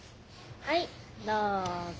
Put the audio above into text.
はいどうぞ。